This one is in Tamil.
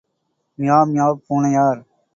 Meow meow பூனையார்.